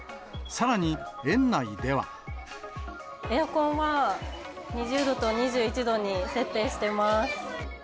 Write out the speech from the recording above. エアコンは２０度と２１度に設定してます。